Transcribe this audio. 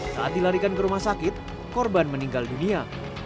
saat dilarikan ke rumah sakit korban meninggal dunia